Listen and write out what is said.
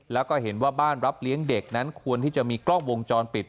แล้วก็เห็นว่าบ้านรับเลี้ยงเด็กนั้นควรที่จะมีกล้องวงจรปิด